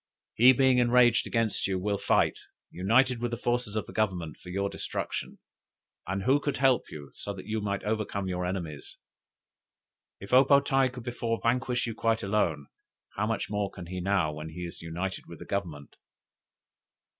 He being enraged against you, will fight, united with the forces of the Government, for your destruction; and who could help you, so that you might overcome your enemies? If O po tae could before vanquish you quite alone, how much more can he now when he is united with Government?